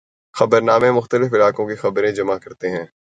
خبرنامے مختلف علاقوں کی خبریں جمع کرتے ہیں۔